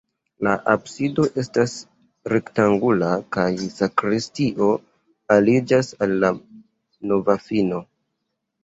La absido estas rektangula kaj sakristio aliĝas al la navofino.